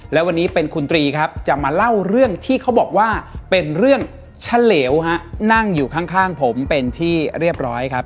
และวันนี้เป็นคุณตรีครับจะมาเล่าเรื่องที่เขาบอกว่าเป็นเรื่องเฉลวนั่งอยู่ข้างผมเป็นที่เรียบร้อยครับ